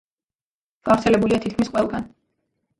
გავრცელებულია თითქმის ყველგან.